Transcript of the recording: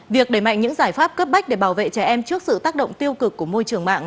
việc đẩy mạnh những giải pháp cấp bách để bảo vệ trẻ em trước sự tác động tiêu cực của môi trường mạng